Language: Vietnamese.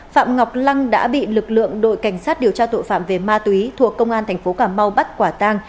phạm ngọc lăng đã bị lực lượng đội cảnh sát điều tra tội phạm về ma túy thuộc công an thành phố cà mau bắt quả tang